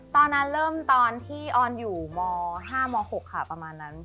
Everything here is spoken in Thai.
ตอนนั้นเริ่มตอนที่ออนอยู่ม๕ม๖ค่ะประมาณนั้น